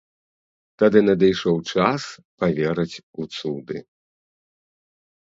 Тады надышоў час паверыць у цуды.